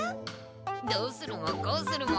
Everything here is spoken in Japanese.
どうするもこうするも。